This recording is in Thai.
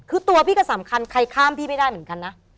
คือตัวพี่ก็สำคัญใครข้ามพี่ไม่ได้เหมือนกันนะ